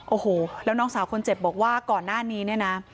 โอ้โหแล้วน้องสาวคนเจ็บบอกว่าก่อนหน้านี้เนี่ยนะ